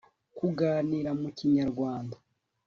kuganira mu kinyarwa